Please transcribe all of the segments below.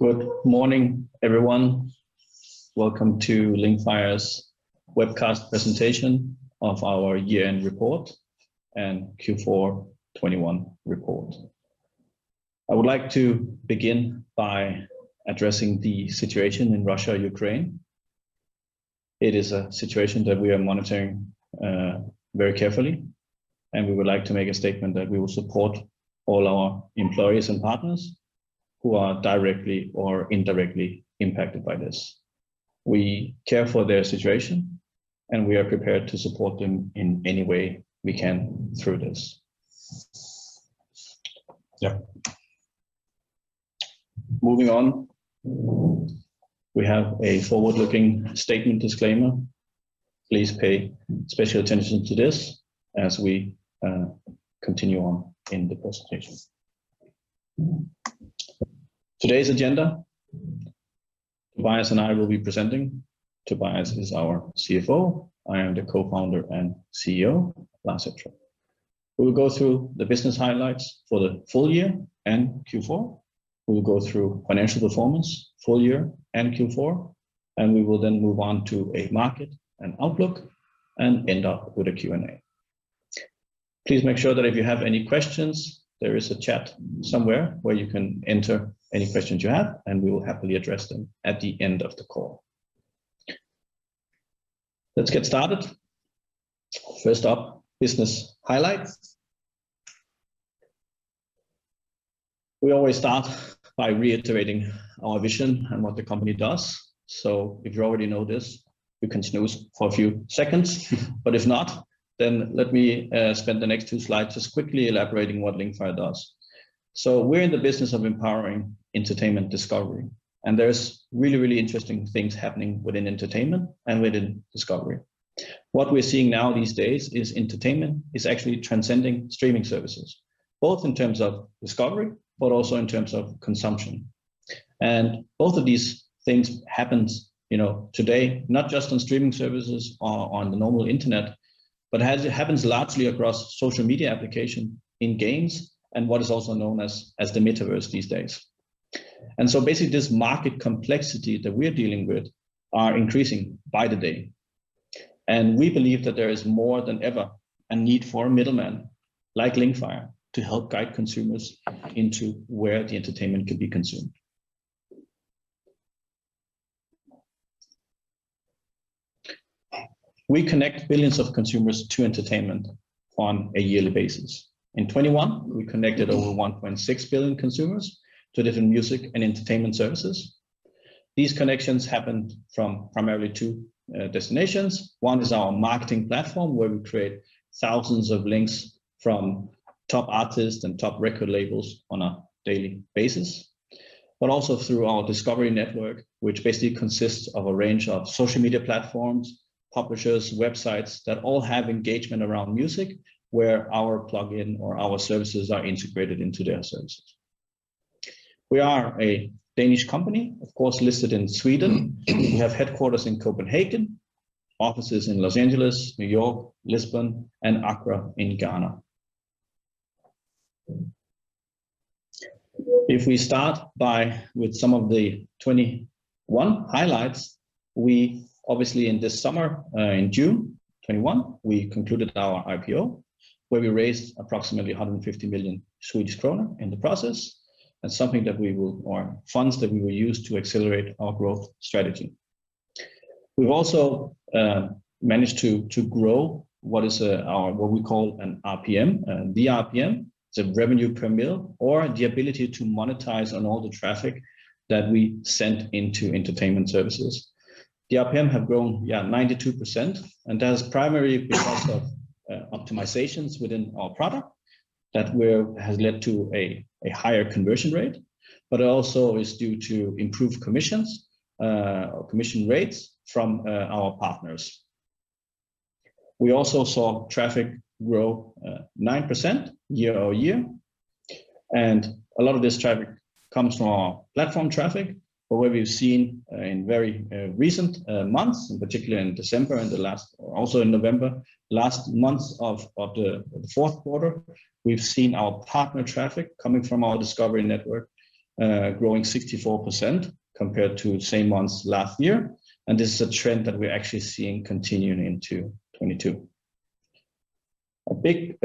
Good morning, everyone. Welcome to Linkfire's webcast presentation of our year-end report and Q4 2021 report. I would like to begin by addressing the situation in Russia, Ukraine. It is a situation that we are monitoring very carefully, and we would like to make a statement that we will support all our employees and partners who are directly or indirectly impacted by this. We care for their situation, and we are prepared to support them in any way we can through this. Moving on. We have a forward-looking statement disclaimer. Please pay special attention to this as we continue on in the presentation. Today's agenda. Tobias and I will be presenting. Tobias is our CFO. I am the Co-founder and CEO, Lars Ettrup. We will go through the business highlights for the full year and Q4. We will go through financial performance, full year and Q4, and we will then move on to a market and outlook and end up with a Q&A. Please make sure that if you have any questions, there is a chat somewhere where you can enter any questions you have, and we will happily address them at the end of the call. Let's get started. First up, business highlights. We always start by reiterating our vision and what the company does. If you already know this, you can snooze for a few seconds. If not, then let me spend the next two slides just quickly elaborating what Linkfire does. We're in the business of empowering entertainment discovery, and there's really, really interesting things happening within entertainment and within discovery. What we're seeing now these days is entertainment is actually transcending streaming services, both in terms of discovery, but also in terms of consumption. Both of these things happens, you know, today, not just on streaming services or on the normal Internet, but it happens largely across social media application in games and what is also known as the Metaverse these days. Basically, this market complexity that we're dealing with are increasing by the day. We believe that there is more than ever a need for a middleman like Linkfire to help guide consumers into where the entertainment can be consumed. We connect billions of consumers to entertainment on a yearly basis. In 2021, we connected over 1.6 billion consumers to different music and entertainment services. These connections happened from primarily two destinations. One is our marketing platform, where we create thousands of links from top artists and top record labels on a daily basis. Also through our Discovery Network, which basically consists of a range of social media platforms, publishers, websites that all have engagement around music, where our plugin or our services are integrated into their services. We are a Danish company, of course, listed in Sweden. We have headquarters in Copenhagen, offices in Los Angeles, New York, Lisbon and Accra in Ghana. If we start with some of the 2021 highlights, we obviously in this summer, in June 2021, we concluded our IPO, where we raised approximately 150 million Swedish krona in the process. That's funds that we will use to accelerate our growth strategy. We've also managed to grow what we call an RPM. The RPM is a revenue per mil, or the ability to monetize on all the traffic that we send into entertainment services. The RPM have grown 92%, and that's primarily because of optimizations within our product that has led to a higher conversion rate, but also is due to improved commissions or commission rates from our partners. We also saw traffic grow 9% year-over-year. A lot of this traffic comes from our platform traffic, but what we've seen in very recent months, in particular in December or also in November, last months of the fourth quarter, we've seen our partner traffic coming from our Discovery Network growing 64% compared to same months last year. This is a trend that we're actually seeing continuing into 2022. A big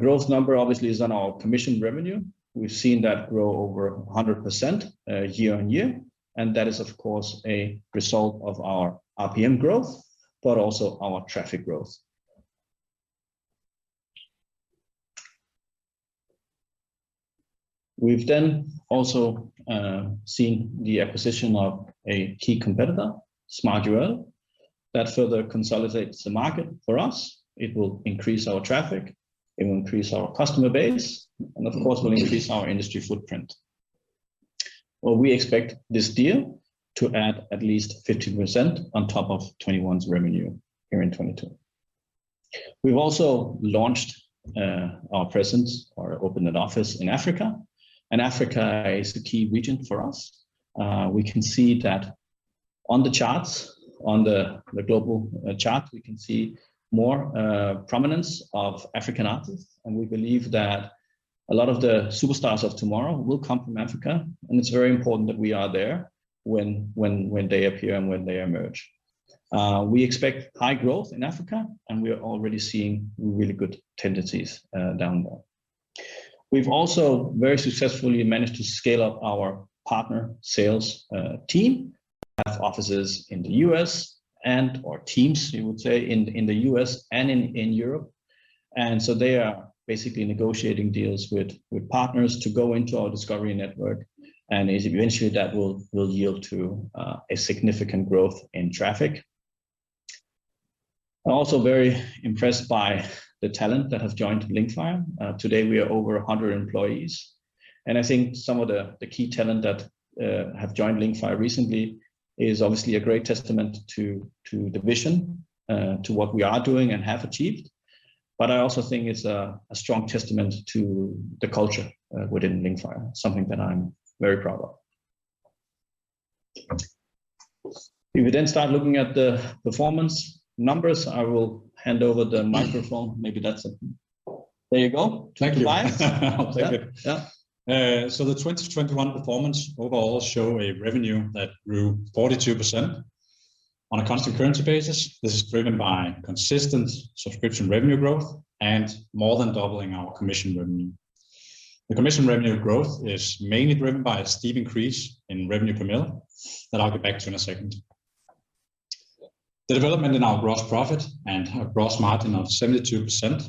growth number obviously is on our commission revenue. We've seen that grow over 100% year-on-year, and that is, of course, a result of our RPM growth, but also our traffic growth. We've then also seen the acquisition of a key competitor, smartURL, that further consolidates the market for us. It will increase our traffic, it will increase our customer base, and of course, will increase our industry footprint. Well, we expect this deal to add at least 50% on top of 2021's revenue here in 2022. We've also launched our presence or opened an office in Africa. Africa is a key region for us. We can see that on the charts, on the global charts, we can see more prominence of African artists, and we believe that a lot of the superstars of tomorrow will come from Africa, and it's very important that we are there when they appear and when they emerge. We expect high growth in Africa, and we are already seeing really good tendencies down there. We've also very successfully managed to scale up our partner sales team. We have offices in the U.S. or teams, we would say, in the U.S. and in Europe. They are basically negotiating deals with partners to go into our Discovery Network, and eventually that will yield to a significant growth in traffic. I'm also very impressed by the talent that has joined Linkfire. Today we are over 100 employees. I think some of the key talent that have joined Linkfire recently is obviously a great testament to the vision, to what we are doing and have achieved. I also think it's a strong testament to the culture within Linkfire, something that I'm very proud of. If we then start looking at the performance numbers, I will hand over the microphone. Maybe that's it. There you go. Thank you. Two clients. I'll take it. Yeah. Yeah. The 2021 performance overall show a revenue that grew 42% on a constant currency basis. This is driven by consistent subscription revenue growth and more than doubling our commission revenue. The commission revenue growth is mainly driven by a steep increase in revenue per mille that I'll get back to in a second. The development in our gross profit and gross margin of 72%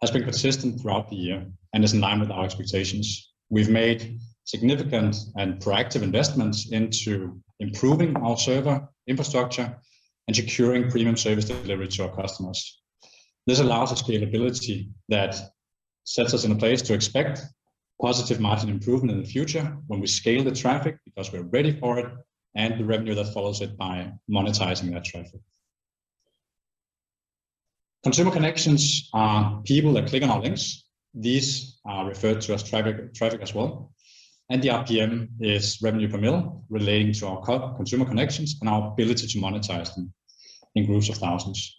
has been consistent throughout the year and is in line with our expectations. We've made significant and proactive investments into improving our server infrastructure and securing premium service delivery to our customers. This allows us scalability that sets us in a place to expect positive margin improvement in the future when we scale the traffic, because we are ready for it, and the revenue that follows it by monetizing that traffic. Consumer connections are people that click on our links. These are referred to as traffic as well. The RPM is revenue per mille relating to our consumer connections and our ability to monetize them in groups of thousands.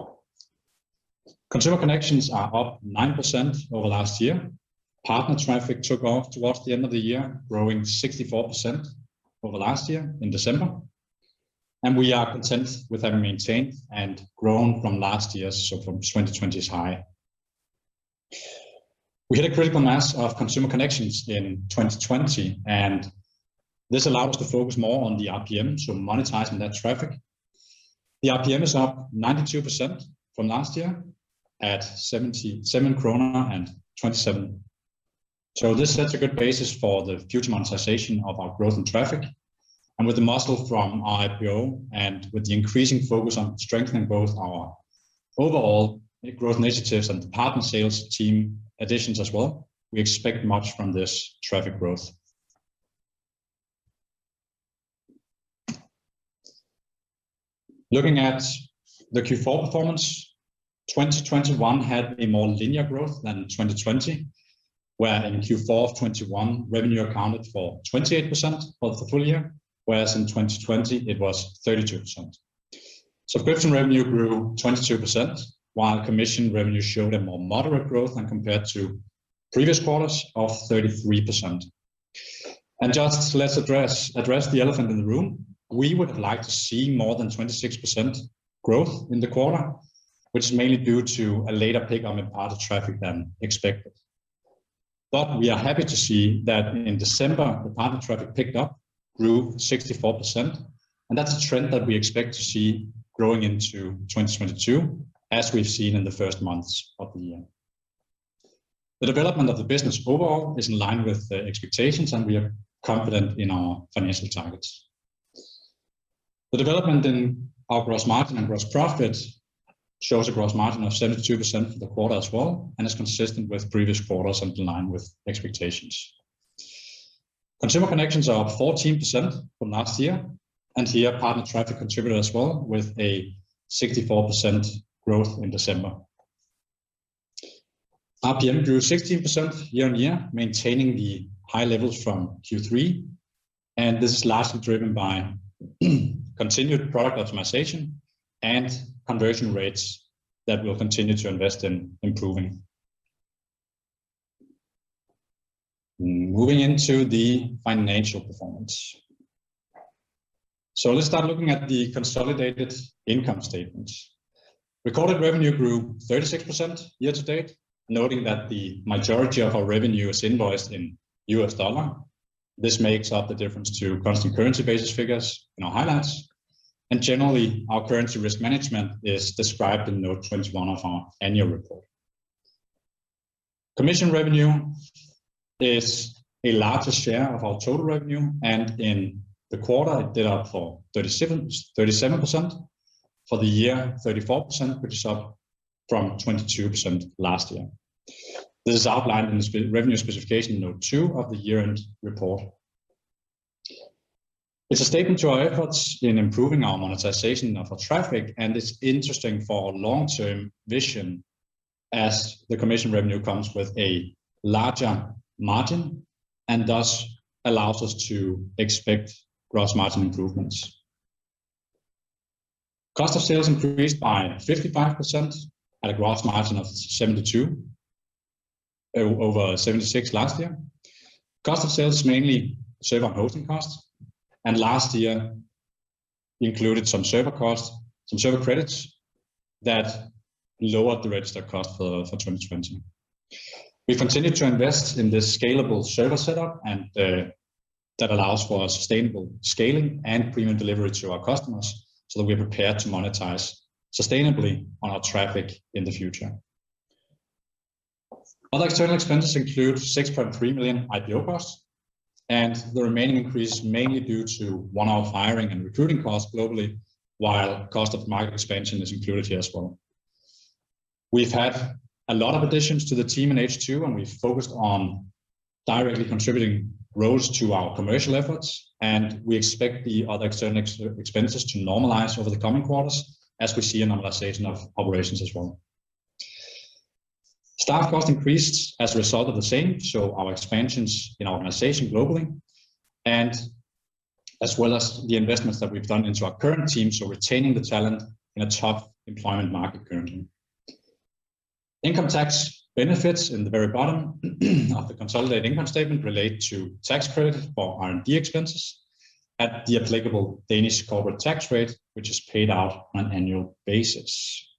Consumer connections are up 9% over last year. Partner traffic took off towards the end of the year, growing 64% over last year in December. We are content with having maintained and grown from last year's, so from 2020's high. We hit a critical mass of consumer connections in 2020, and this allowed us to focus more on the RPM, so monetizing that traffic. The RPM is up 92% from last year at 77.27 krone. This sets a good basis for the future monetization of our growth and traffic. With the muscle from our IPO and with the increasing focus on strengthening both our overall growth initiatives and the partner sales team additions as well, we expect much from this traffic growth. Looking at the Q4 performance, 2021 had a more linear growth than 2020, where in Q4 of 2021, revenue accounted for 28% of the full year, whereas in 2020 it was 32%. Subscription revenue grew 22%, while commission revenue showed a more moderate growth when compared to previous quarters of 33%. Just let's address the elephant in the room. We would have liked to see more than 26% growth in the quarter, which is mainly due to a later pick on the partner traffic than expected. We are happy to see that in December the partner traffic picked up, grew 64%. That's a trend that we expect to see growing into 2022, as we've seen in the first months of the year. The development of the business overall is in line with the expectations, and we are confident in our financial targets. The development in our gross margin and gross profit shows a gross margin of 72% for the quarter as well, and is consistent with previous quarters and in line with expectations. Consumer connections are up 14% from last year, and here partner traffic contributed as well with a 64% growth in December. RPM grew 16% year-over-year, maintaining the high levels from Q3, and this is largely driven by continued product optimization and conversion rates that we'll continue to invest in improving. Moving into the financial performance. Let's start looking at the consolidated income statement. Recorded revenue grew 36% year to date, noting that the majority of our revenue is invoiced in U.S. dollar. This makes up the difference to constant currency basis figures in our highlights. Generally, our currency risk management is described in note 21 of our annual report. Commission revenue is a larger share of our total revenue, and in the quarter it made up 37%. For the year, 34%, which is up from 22% last year. This is outlined in the revenue specification note 2 of the year-end report. It's a testament to our efforts in improving our monetization of our traffic, and it's interesting for our long-term vision. As the commission revenue comes with a larger margin and thus allows us to expect gross margin improvements. Cost of sales increased by 55% at a gross margin of 72%, over 76% last year. Cost of sales mainly server hosting costs, and last year included some server costs, some server credits that lowered the registered cost for 2020. We continue to invest in this scalable server setup and that allows for sustainable scaling and premium delivery to our customers, so that we are prepared to monetize sustainably on our traffic in the future. Other external expenses include 6.3 million IPO costs and the remaining increase mainly due to one-off hiring and recruiting costs globally, while cost of market expansion is included here as well. We've had a lot of additions to the team in H2, and we've focused on directly contributing roles to our commercial efforts, and we expect the other external expenses to normalize over the coming quarters as we see a normalization of operations as well. Staff costs increased as a result of the same, so our expansions in our organization globally and as well as the investments that we've done into our current team, so retaining the talent in a tough employment market currently. Income tax benefits in the very bottom of the consolidated income statement relate to tax credit for R&D expenses at the applicable Danish corporate tax rate, which is paid out on an annual basis.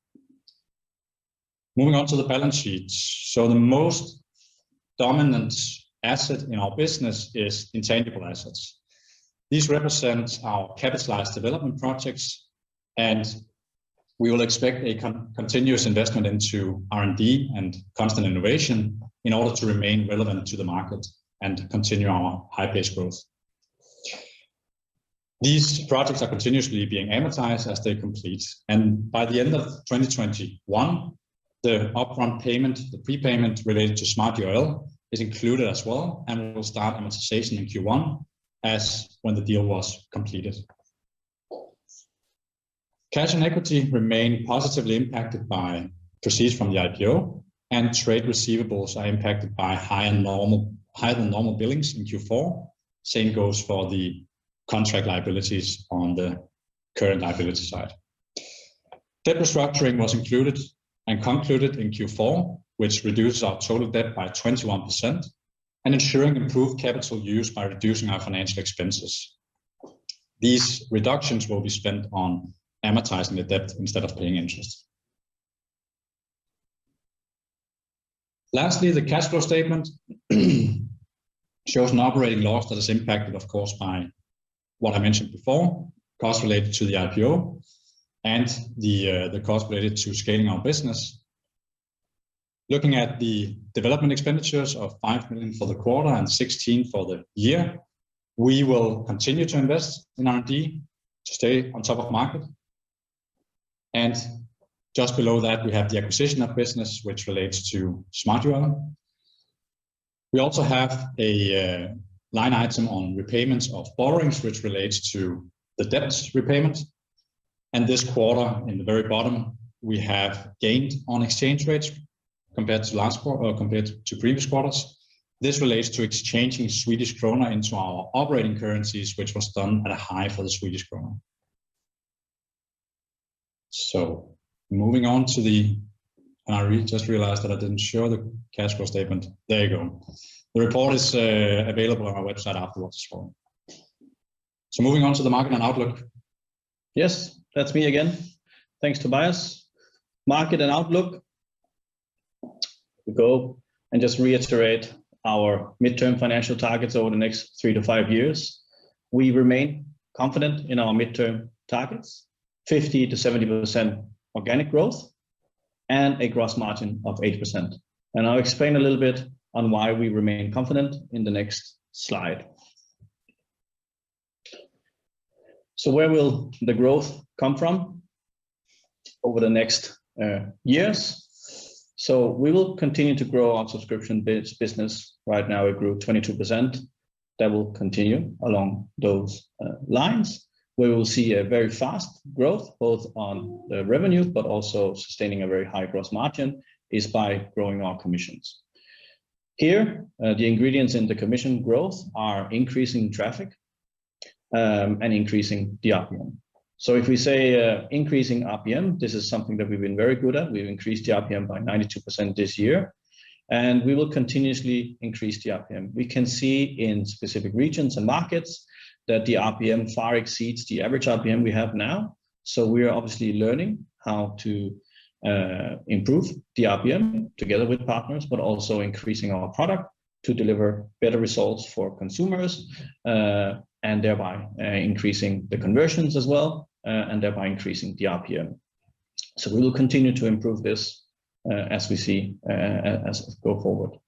Moving on to the balance sheet. The most dominant asset in our business is intangible assets. This represents our capitalized development projects, and we will expect a continuous investment into R&D and constant innovation in order to remain relevant to the market and continue our high-pace growth. These projects are continuously being amortized as they complete. By the end of 2021, the upfront payment, the prepayment related to smartURL is included as well, and will start amortization in Q1 as when the deal was completed. Cash and equity remain positively impacted by proceeds from the IPO and trade receivables are impacted by higher than normal billings in Q4. Same goes for the contract liabilities on the current liability side. Debt restructuring was included and concluded in Q4, which reduced our total debt by 21% and ensuring improved capital use by reducing our financial expenses. These reductions will be spent on amortizing the debt instead of paying interest. Lastly, the cash flow statement shows an operating loss that is impacted, of course, by what I mentioned before, costs related to the IPO and the costs related to scaling our business. Looking at the development expenditures of 5 million for the quarter and 16 million for the year, we will continue to invest in R&D to stay on top of market. Just below that, we have the acquisition of business which relates to smartURL. We also have a line item on repayments of borrowings, which relates to the debt repayment. This quarter, in the very bottom, we have gained on exchange rates compared to last quarter or compared to previous quarters. This relates to exchanging Swedish krona into our operating currencies, which was done at a high for the Swedish krona. I just realized that I didn't show the cash flow statement. There you go. The report is available on our website afterwards as well. Moving on to the market and outlook. Yes, that's me again. Thanks, Tobias. Market and outlook. We go and just reiterate our mid-term financial targets over the next 3-5 years. We remain confident in our mid-term targets, 50%-70% organic growth and a gross margin of 80%. I'll explain a little bit on why we remain confident in the next slide. Where will the growth come from over the next years? We will continue to grow our subscription business. Right now, it grew 22%. That will continue along those lines. We will see a very fast growth, both on the revenues, but also sustaining a very high gross margin is by growing our commissions. Here, the ingredients in the commission growth are increasing traffic and increasing the RPM. If we say increasing RPM, this is something that we've been very good at. We've increased the RPM by 92% this year, and we will continuously increase the RPM. We can see in specific regions and markets that the RPM far exceeds the average RPM we have now. We are obviously learning how to improve the RPM together with partners, but also increasing our product to deliver better results for consumers, and thereby increasing the conversions as well, and thereby increasing the RPM. We will continue to improve this as we go forward.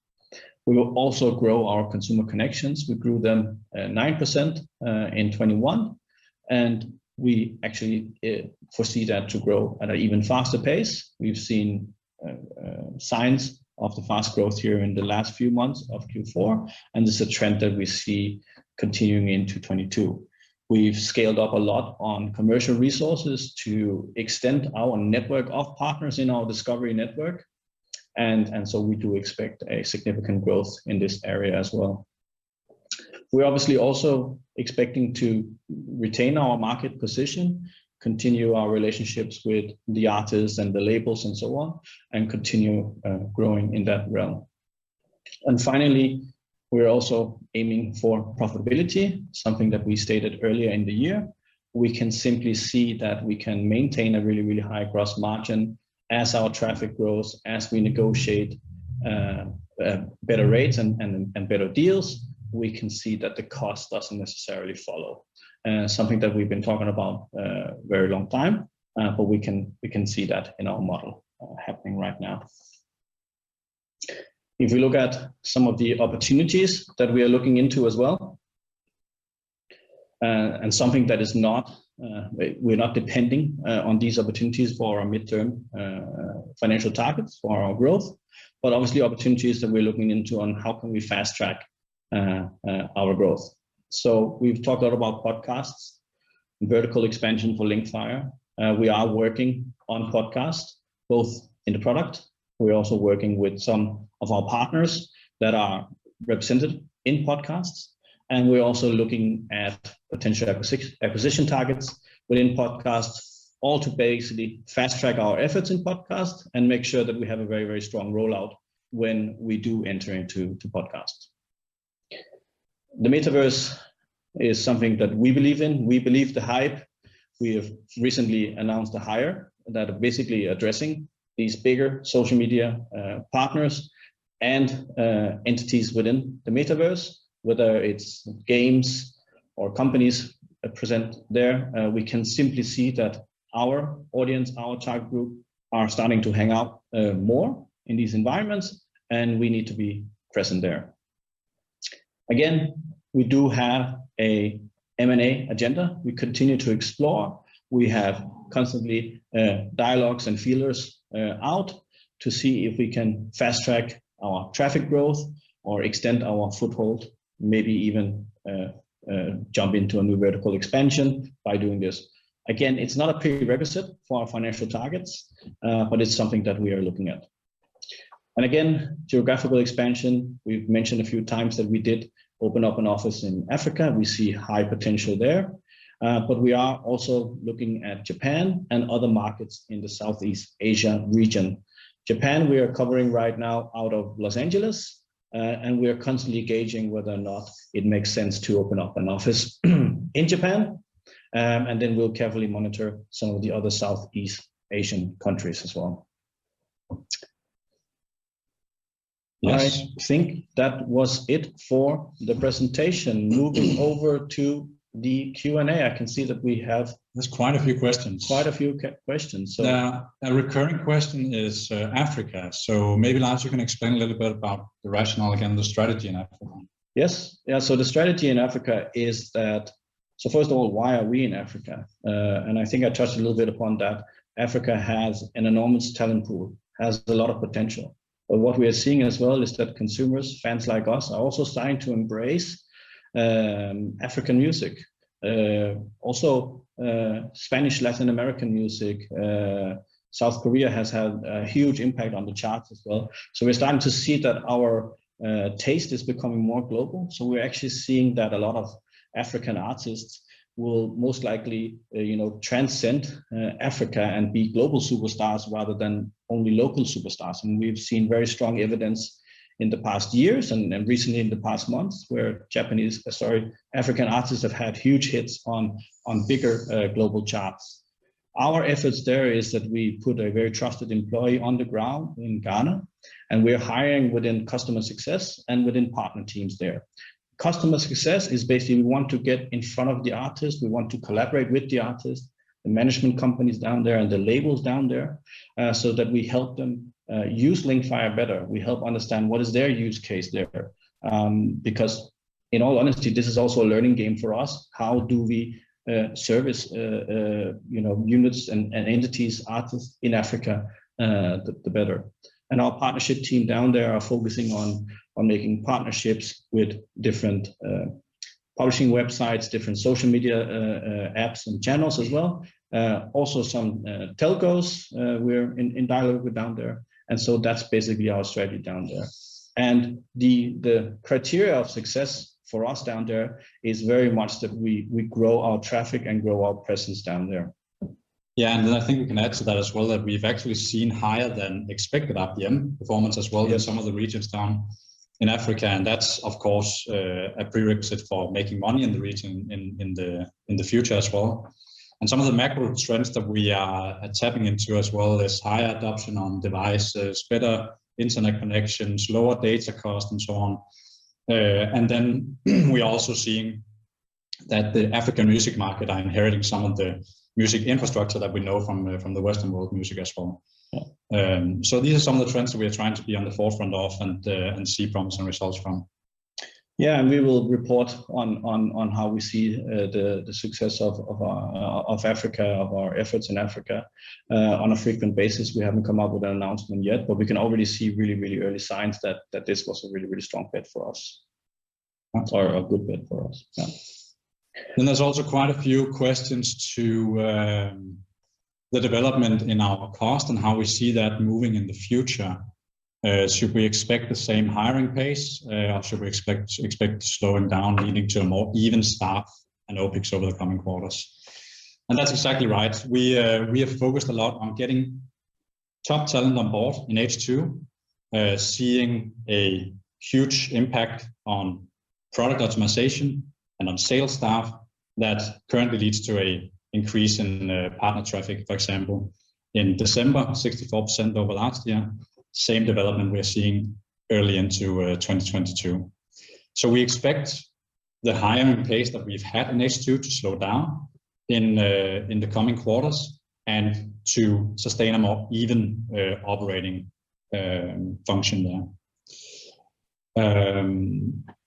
We will also grow our consumer connections. We grew them 9% in 2021, and we actually foresee that to grow at an even faster pace. We've seen signs of the fast growth here in the last few months of Q4, and this is a trend that we see continuing into 2022. We've scaled up a lot on commercial resources to extend our network of partners in our Discovery Network, and so we do expect a significant growth in this area as well. We're obviously also expecting to retain our market position, continue our relationships with the artists and the labels and so on, and continue growing in that realm. Finally, we're also aiming for profitability, something that we stated earlier in the year. We can simply see that we can maintain a really, really high gross margin as our traffic grows, as we negotiate better rates and better deals. We can see that the cost doesn't necessarily follow. Something that we've been talking about a very long time, but we can see that in our model happening right now. If we look at some of the opportunities that we are looking into as well, and something that is not, we're not depending on these opportunities for our mid-term, financial targets for our growth, but obviously opportunities that we're looking into on how can we fast-track, our growth. We've talked a lot about podcasts and vertical expansion for Linkfire. We are working on podcasts, both in the product. We're also working with some of our partners that are represented in podcasts, and we're also looking at potential acquisition targets within podcasts, all to basically fast-track our efforts in podcasts and make sure that we have a very, very strong rollout when we do enter into podcasts. The Metaverse is something that we believe in. We believe the hype. We have recently announced a hire that are basically addressing these bigger social media partners and entities within the Metaverse, whether it's games or companies present there. We can simply see that our audience, our target group, are starting to hang out more in these environments, and we need to be present there. Again, we do have a M&A agenda we continue to explore. We have constantly dialogues and feelers out to see if we can fast-track our traffic growth or extend our foothold, maybe even jump into a new vertical expansion by doing this. Again, it's not a prerequisite for our financial targets, but it's something that we are looking at. Again, geographical expansion. We've mentioned a few times that we did open up an office in Africa, and we see high potential there. We are also looking at Japan and other markets in the Southeast Asia region. Japan, we are covering right now out of Los Angeles, and we are constantly gauging whether or not it makes sense to open up an office in Japan. We'll carefully monitor some of the other Southeast Asian countries as well. Yes. I think that was it for the presentation. Moving over to the Q&A, I can see that we have. There's quite a few questions. Quite a few questions. Yeah. A recurring question is, Africa. Maybe, Lars, you can explain a little bit about the rationale again, the strategy in Africa. The strategy in Africa is that first of all, why are we in Africa? I think I touched a little bit upon that. Africa has an enormous talent pool, has a lot of potential. What we are seeing as well is that consumers, fans like us, are also starting to embrace African music, also Spanish, Latin American music. South Korea has had a huge impact on the charts as well. We're starting to see that our taste is becoming more global. We're actually seeing that a lot of African artists will most likely, you know, transcend Africa and be global superstars rather than only local superstars. We've seen very strong evidence in the past years and recently in the past months, where African artists have had huge hits on bigger global charts. Our efforts there is that we put a very trusted employee on the ground in Ghana, and we're hiring within customer success and within partner teams there. Customer success is basically we want to get in front of the artists, we want to collaborate with the artists, the management companies down there, and the labels down there, so that we help them use Linkfire better. We help understand what is their use case there. Because in all honesty, this is also a learning game for us. How do we service you know, units and entities, artists in Africa the better. Our partnership team down there are focusing on making partnerships with different publishing websites, different social media apps and channels as well. Also some telcos we're in dialogue with down there. That's basically our strategy down there. The criteria of success for us down there is very much that we grow our traffic and grow our presence down there. Yeah. I think we can add to that as well, that we've actually seen higher than expected RPM performance as well in some of the regions down in Africa, and that's of course a prerequisite for making money in the region in the future as well. Some of the macro trends that we are tapping into as well is higher adoption on devices, better internet connections, lower data cost, and so on. We are also seeing that the African music market are inheriting some of the music infrastructure that we know from the Western world music as well. These are some of the trends that we are trying to be on the forefront of and see some results from. Yeah. We will report on how we see the success of our efforts in Africa on a frequent basis. We haven't come up with an announcement yet, but we can already see really early signs that this was a really strong bet for us. That's right. A good bet for us. Yeah. There's also quite a few questions to the development in our cost and how we see that moving in the future. Should we expect the same hiring pace, or should we expect slowing down leading to a more even staff and OpEx over the coming quarters? That's exactly right. We have focused a lot on getting top talent on board in H2, seeing a huge impact on product optimization and on sales staff that currently leads to an increase in partner traffic, for example. In December, 64% over last year, same development we are seeing early into 2022. We expect the hiring pace that we've had in H2 to slow down in the coming quarters and to sustain a more even operating function there.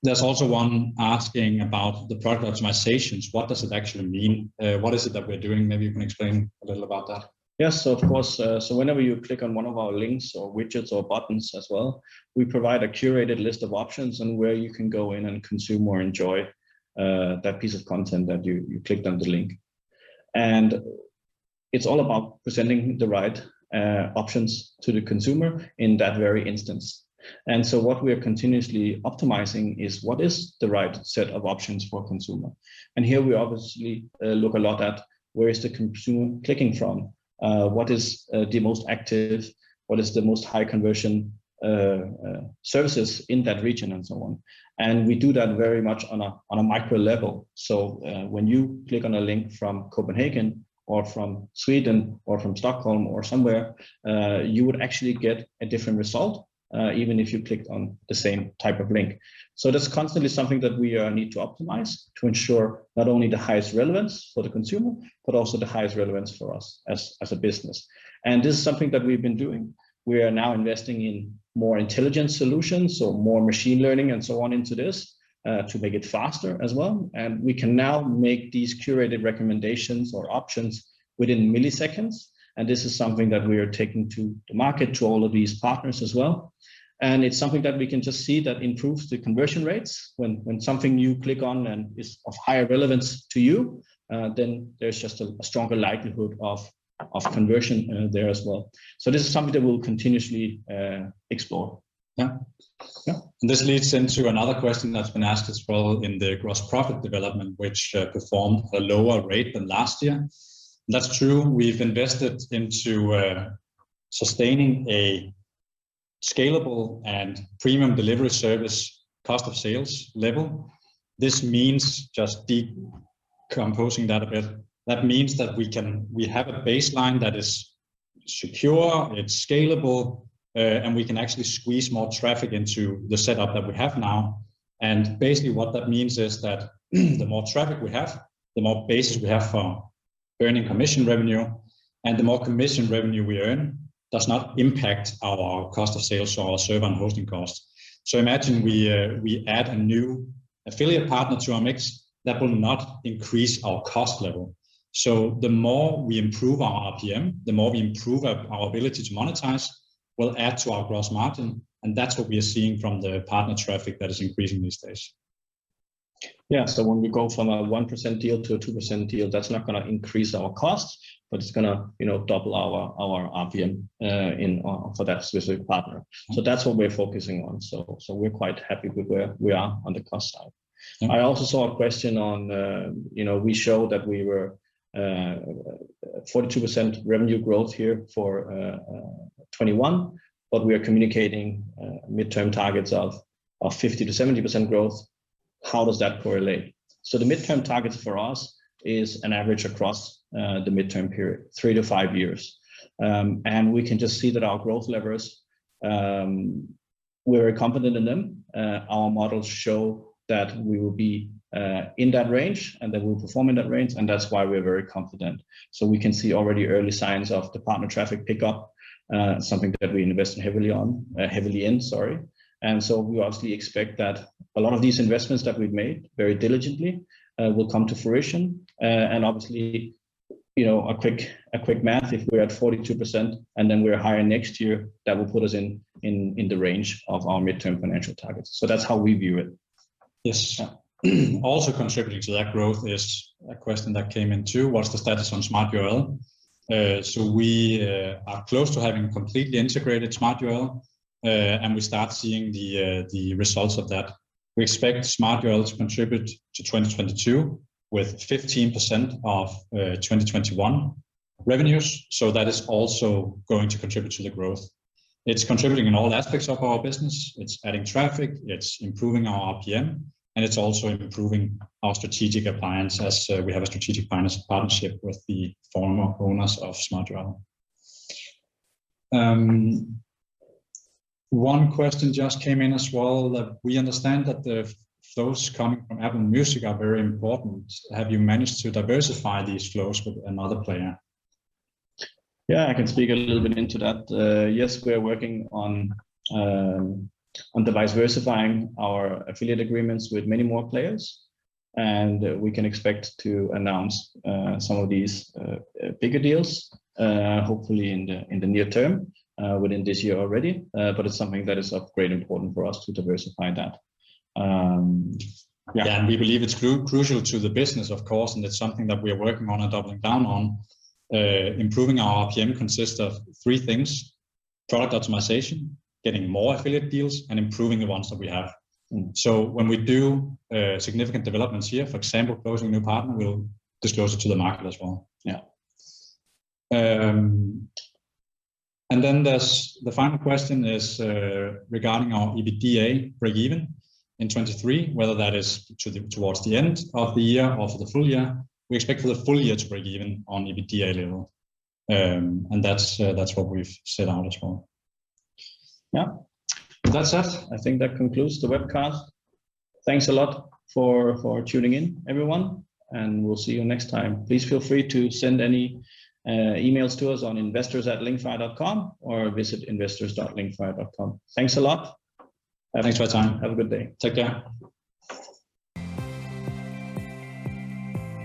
There's also one asking about the product optimizations. What does it actually mean? What is it that we're doing? Maybe you can explain a little about that. Yes, of course. Whenever you click on one of our links or widgets or buttons as well, we provide a curated list of options on where you can go in and consume or enjoy that piece of content that you clicked on the link. It's all about presenting the right options to the consumer in that very instance. What we are continuously optimizing is what is the right set of options for consumer. Here we obviously look a lot at where is the consumer clicking from, what is the most active, what is the most high conversion services in that region and so on. We do that very much on a micro level. When you click on a link from Copenhagen or from Sweden or from Stockholm or somewhere, you would actually get a different result, even if you clicked on the same type of link. That's constantly something that we need to optimize to ensure not only the highest relevance for the consumer, but also the highest relevance for us as a business. This is something that we've been doing. We are now investing in more intelligent solutions, so more machine learning and so on into this, to make it faster as well. We can now make these curated recommendations or options within milliseconds, and this is something that we are taking to the market, to all of these partners as well. It's something that we can just see that improves the conversion rates. When something you click on and is of higher relevance to you, then there's just a stronger likelihood of conversion there as well. This is something that we'll continuously explore. This leads into another question that's been asked as well in the gross profit development, which performed a lower rate than last year. That's true. We've invested into sustaining a scalable and premium delivery service cost of sales level. This means just decomposing that a bit. That means that we have a baseline that is secure, it's scalable, and we can actually squeeze more traffic into the setup that we have now. Basically, what that means is that the more traffic we have, the more basis we have for earning commission revenue, and the more commission revenue we earn does not impact our cost of sales or our server and hosting costs. Imagine we add a new affiliate partner to our mix, that will not increase our cost level. The more we improve our RPM, the more we improve our ability to monetize, we'll add to our gross margin, and that's what we are seeing from the partner traffic that is increasing these days. Yeah. When we go from a 1% deal to a 2% deal, that's not gonna increase our costs, but it's gonna, you know, double our RPM for that specific partner. That's what we're focusing on. We're quite happy with where we are on the cost side. I also saw a question on, you know, we showed that we were 42% revenue growth here for 2021, but we are communicating mid-term targets of 50%-70% growth. How does that correlate? The mid-term targets for us is an average across the mid-term period, 3-5 years. We can just see that our growth levers, we're confident in them. Our models show that we will be in that range, and that we'll perform in that range, and that's why we're very confident. We can see already early signs of the partner traffic pickup, something that we invest heavily in. We obviously expect that a lot of these investments that we've made very diligently will come to fruition. Obviously, you know, a quick math, if we're at 42% and then we're hiring next year, that will put us in the range of our midterm financial targets. That's how we view it. Yes. Also contributing to that growth is a question that came in too, what's the status on smartURL? We are close to having completely integrated smartURL, and we start seeing the results of that. We expect smartURL to contribute to 2022 with 15% of 2021 revenues. That is also going to contribute to the growth. It's contributing in all aspects of our business. It's adding traffic, it's improving our RPM, and it's also improving our strategic alliance as we have a strategic partnership with the former owners of smartURL. One question just came in as well that we understand that the flows coming from Apple Music are very important. Have you managed to diversify these flows with another player? Yeah, I can speak a little bit into that. Yes, we are working on diversifying our affiliate agreements with many more players, and we can expect to announce some of these bigger deals, hopefully in the near term, within this year already. It's something that is of great importance for us to diversify that. Yeah. Yeah. We believe it's crucial to the business, of course, and it's something that we are working on and doubling down on. Improving our RPM consists of three things, product optimization, getting more affiliate deals, and improving the ones that we have. When we do significant developments here, for example, closing a new partner, we'll disclose it to the market as well. Yeah. Then there's the final question is, regarding our EBITDA breakeven in 2023, whether that is towards the end of the year or for the full year. We expect for the full year to break even on EBITDA level. That's what we've set out as well. Yeah. That's us. I think that concludes the webcast. Thanks a lot for tuning in, everyone, and we'll see you next time. Please feel free to send any emails to us on investors@linkfire.com or visit investors.linkfire.com. Thanks a lot. Thanks for your time. Have a good day. Take care.